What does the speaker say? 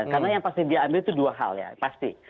karena yang pasti dia ambil itu dua hal ya pasti